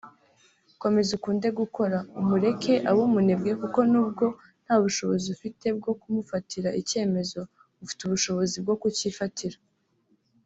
Komeza ukunde gukora umureke abe umunebwe kuko nubwo nta bushobozi ufite bwo kumufatira icyemezo ufite ubushobozi bwo kucyifatira